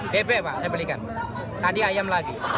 bebek pak saya belikan tadi ayam lagi